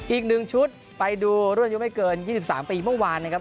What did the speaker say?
อีกหนึ่งชุดไปดูร่วมยุ่งไม่เกิน๒๓ปีเมื่อวานนะครับ